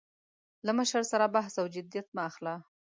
له مشر سره بحث او جدیت مه اخله.